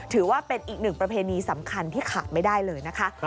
ถือว่าเป็นอีกหนึ่งประเพณีสำคัญที่ขาดไม่ได้เลยนะคะ